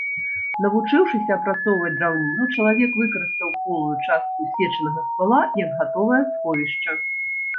Навучыўшыся апрацоўваць драўніну, чалавек выкарыстаў полую частку ссечанага ствала як гатовае сховішча.